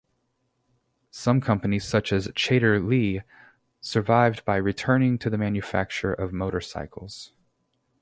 Some companies such as Chater-Lea survived by returning to the manufacture of motorcycles.